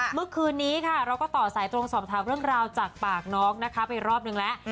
เมื่อคืนนี้ค่ะเราก็ต่อสายตรงสอบถามเรื่องราวจากปากน้องนะคะไปรอบนึงแล้ว